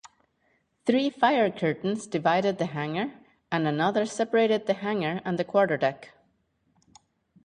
Three fire curtains divided the hangar and another separated the hangar and the quarterdeck.